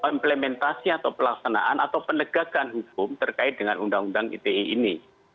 implementasi atau pelaksanaan atau penegakan hukum terkait dengan undang undang ite ini